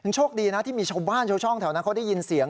โชคดีนะที่มีชาวบ้านชาวช่องแถวนั้นเขาได้ยินเสียง